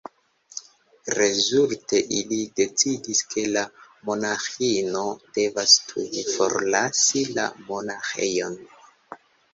Rezulte ili decidis, ke la monaĥino devas tuj forlasi la monaĥejon.